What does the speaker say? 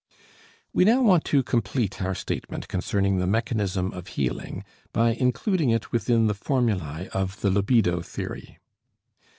We now want to complete our statement concerning the mechanism of healing, by including it within the formulae of the libido theory.